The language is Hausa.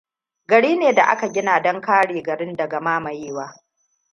Gari ne da aka gina don kare garin daga mamayewa.